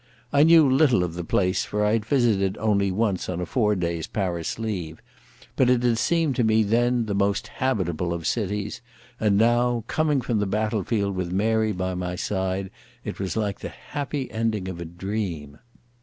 I knew little of the place, for I had visited it once only on a four days' Paris leave, but it had seemed to me then the most habitable of cities, and now, coming from the battle field with Mary by my side, it was like the happy ending of a dream.